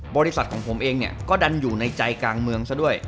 บริษัทของผมเองเนี่ยก็ดันอยู่ในใจกลางเมืองซะด้วย